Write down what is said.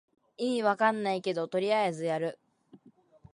意味わかんないけどとりあえずやる